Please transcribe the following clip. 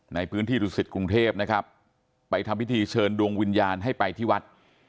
ในพื้นที่ดุสิตกรุงเทพนะครับไปทำพิธีเชิญดวงวิญญาณให้ไปที่วัด